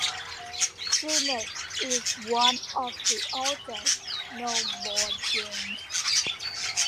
Senet is one of the oldest known board games.